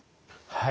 はい。